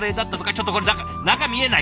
ちょっとこれ中見えない。